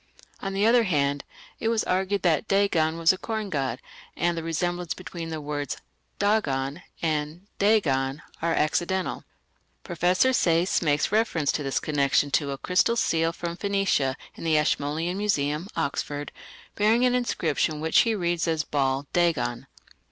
On the other hand, it was argued that Dagon was a corn god, and that the resemblance between the words Dagan and Dagon are accidental. Professor Sayce makes reference in this connection to a crystal seal from Phoenicia in the Ashmolean Museum, Oxford, bearing an inscription which he reads as Baal dagon.